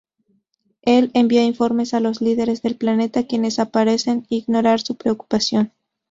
Él envía informes a los líderes del planeta, quienes parecen ignorar su preocupación.